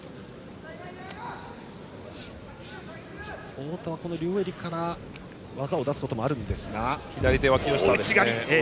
太田は両襟から技を出すこともあります。